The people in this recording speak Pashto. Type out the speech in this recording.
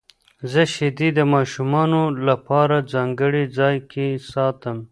زه شیدې د ماشومانو لپاره ځانګړي ځای کې ساتم.